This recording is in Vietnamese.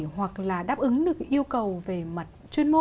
hoặc là đáp ứng được yêu cầu về mặt chuyên